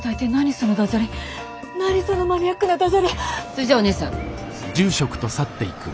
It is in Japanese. それじゃあお姉さん。